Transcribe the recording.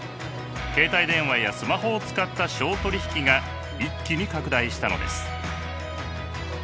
携帯電話やスマホを使った商取引が一気に拡大したのです。